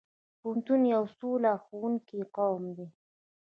پښتون یو سوله خوښوونکی قوم دی.